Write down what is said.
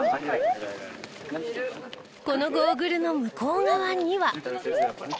このゴーグルの向こう側には。